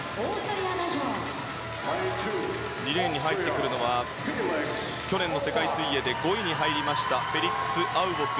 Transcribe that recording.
２レーンに入ってくるのは去年の世界水泳で５位に入りましたフェリックス・アウボック。